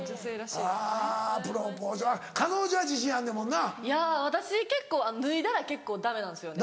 いや私脱いだら結構ダメなんですよね。